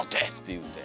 言うて。